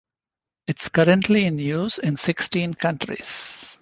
It is currently in use in sixteen countries.